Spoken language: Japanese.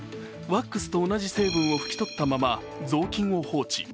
ワックスと同じ成分を拭き取ったまま雑巾を放置。